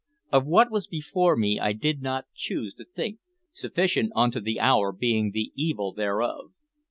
Of what was before me I did not choose to think, sufficient unto the hour being the evil thereof.